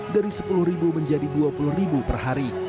dari sepuluh ribu menjadi dua puluh ribu per hari